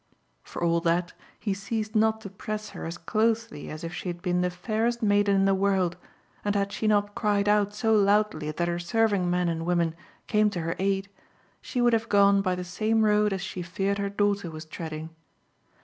For all that he ceased not to press her as closely as if she had been the fairest maiden in the world, and had she not cried out so loudly that her serving men and women came to her aid, she would have gone by the same road as she feared her daughter was treading.